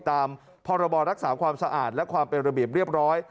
ตามพรบรักษาความสะอาดและความเป็นระเบียบเรียบร้อย